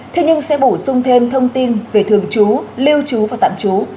thế nhưng sẽ bổ sung thêm thông tin về thường trú lưu trú và tạm trú